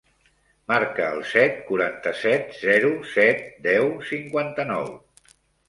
Marca el set, quaranta-set, zero, set, deu, cinquanta-nou.